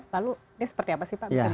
lalu ini seperti apa sih pak bisa dijelaskan